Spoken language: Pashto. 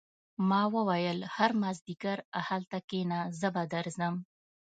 ما وویل هر مازدیګر دلته کېنه زه به درځم